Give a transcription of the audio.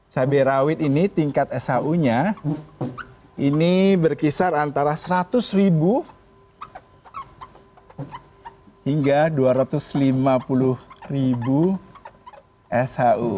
cabai rawit ini tingkat shu nya ini berkisar antara seratus ribu hingga dua ratus lima puluh ribu shu